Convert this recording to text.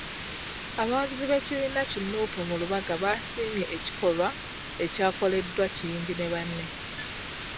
Abawagizi b'ekibiina ki Nuupu mu Lubaga basiimye ekikolwa ekyakoleddwa Kiyingi ne banne.